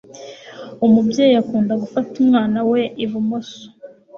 Umubyeyi akunda gufata umwana we ibumoso.